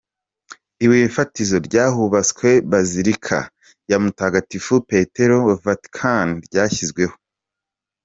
Ibuye mfatizo ry’ahubatswe bazilika ya Mutgatifu Petero I Vatican ryashyizweho.